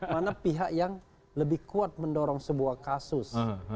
mana pihak yang lebih kuat mendorong sebuah kasus